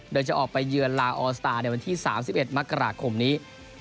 โดยจะออกไปเยือนลาออสตาร์ในวันที่๓๑มกราคมนี้